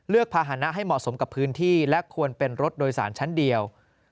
ภาษณะให้เหมาะสมกับพื้นที่และควรเป็นรถโดยสารชั้นเดียว